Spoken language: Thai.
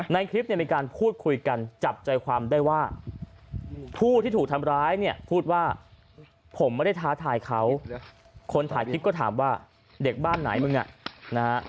ในคลิปเนี่ยมีการพูดคุยกันจับใจความได้ว่าผู้ที่ถูกทำร้ายเนี่ยพูดว่าผมไม่ได้ท้าทายเขาคนถ่ายคลิปก็ถามว่าเด็กบ้านไหนมึงอ่ะนะฮะ